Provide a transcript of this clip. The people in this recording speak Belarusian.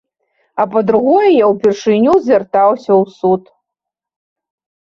А па-другое, я ўпершыню звяртаўся ў суд.